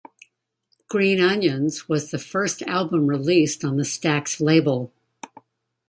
"Green Onions" was the first album released on the Stax label.